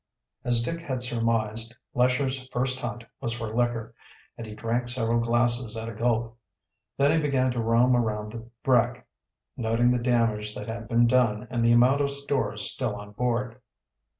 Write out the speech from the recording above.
As Dick had surmised, Lesher's first hunt was for liquor, and he drank several glasses at a gulp. Then he began to roam around the wreck, noting the damage that had been done and the amount of stores still on board.